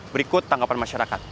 berikut tanggapan masyarakat